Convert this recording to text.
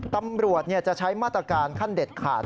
ตำรวจจะใช้มาตรการขั้นเด็ดขาด